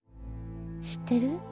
「知ってる？